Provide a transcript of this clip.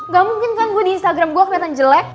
gak mungkin kan gue di instagram gue kelihatan jelek